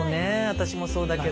私もそうだけど。